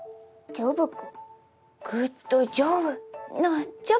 ジョブ子。